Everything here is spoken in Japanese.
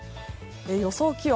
予想気温。